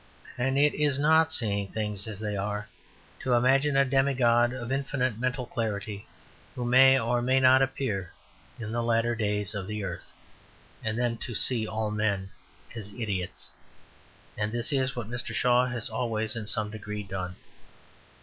And it is not seeing things as they are to imagine a demigod of infinite mental clarity, who may or may not appear in the latter days of the earth, and then to see all men as idiots. And this is what Mr. Shaw has always in some degree done.